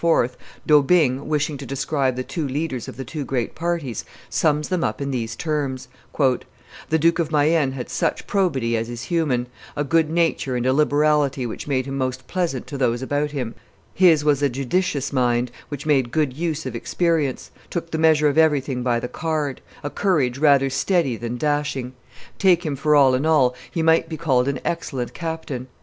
D'Aubigne, wishing to describe the two leaders of the two great parties, sums them up in these terms: "The Duke of Mayenne had such probity as is human, a good nature and a liberality which made him most pleasant to those about him; his was a judicious mind, which made good use of experience, took the measure of everything by the card; a courage rather steady than dashing; take him for all in all, he might be called an excellent captain.